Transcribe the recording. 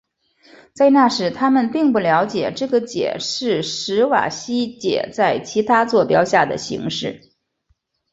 在那时他们并不了解这个解是史瓦西解在其他座标下的形式。